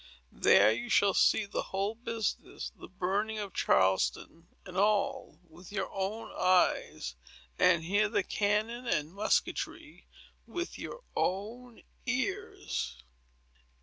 There you shall see the whole business, the burning of Charlestown and all, with your own eyes, and hear the cannon and musketry with your own ears."